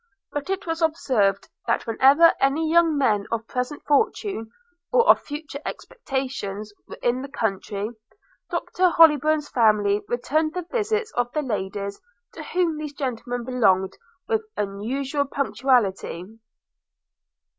But it was observed, that whenever any young men of present fortune, or of future expectations, were in the country, Dr Hollybourn's family returned the visits of the ladies to whom these gentlemen belonged, with unusual punctuality.